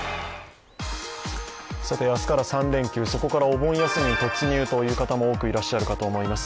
さて明日から３連休、そこからお盆休みに突入という方もいらっしゃると思います。